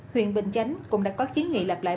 huyện bình chánh cũng đã có chiến nghị lập lại